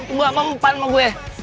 enggak mempunyai gue